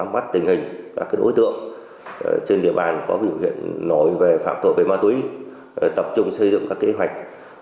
bắt tình hình các đối tượng trên địa bàn có biểu hiện nổi về phạm tội về ma túy tập trung xây dựng các kế hoạch